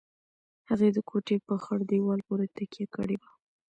هغې د کوټې په خړ دېوال پورې تکيه کړې وه.